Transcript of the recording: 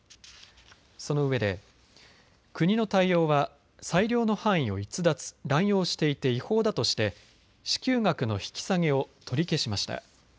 そのうえで国の対応は裁量の範囲を逸脱、乱用していて違法だとして支給額の引き下げを取り消しました。